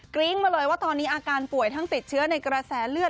ริ้งมาเลยว่าตอนนี้อาการป่วยทั้งติดเชื้อในกระแสเลือด